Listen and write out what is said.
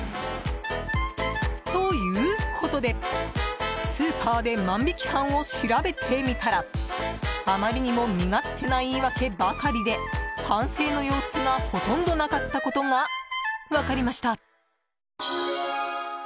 ということで、スーパーで万引き犯を調べてみたらあまりにも身勝手な言い訳ばかりで反省の様子がほとんどなかったことが分かりました。